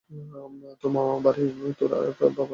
তোর মা বাড়ির, তোর আর তোর বাবার অনেক খেয়াল রাখত।